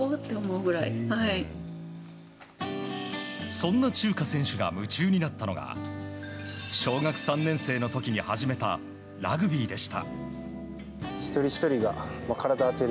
そんなチューカ選手が夢中になったのが小学３年生の時に始めたラグビーでした。